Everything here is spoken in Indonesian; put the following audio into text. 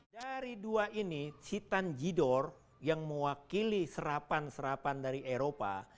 dari dua ini si tanjidor yang mewakili serapan serapan dari eropa